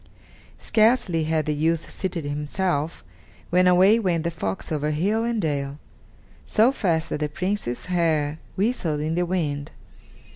Scarcely had the youth seated himself, when away went the fox over hill and dale, so fast that the Prince's hair whistled in the wind.